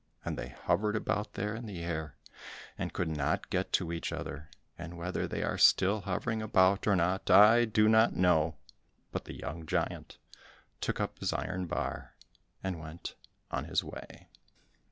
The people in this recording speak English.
And they hovered about there in the air, and could not get to each other, and whether they are still hovering about, or not, I do not know, but the young giant took up his iron bar, and went on his way.